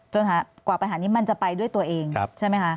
กว่าปัญหานี้มันจะไปด้วยตัวเองใช่ไหมคะ